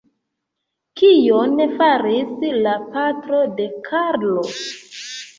Kion faris la patro de Karlo?